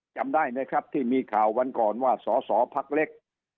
จำได้ไหมครับที่มีข่าววันก่อนว่าสอสอพักเล็ก